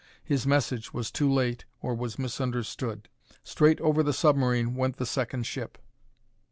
His message was too late or was misunderstood. Straight over the submarine went the second ship.